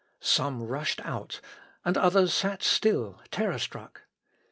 Some rushed out, and others sat still, terror struck.